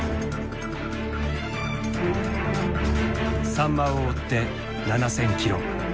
サンマを追って７，０００キロ。